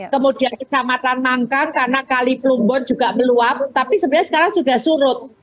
kemudian kecamatan mangkang karena kali plumbon juga meluap tapi sebenarnya sekarang sudah surut